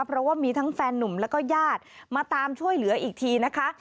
เพราะว่ามีทั้งแฟนนุ่มแล้วก็ญาติมาตามช่วยเหลืออีกทีนะคะ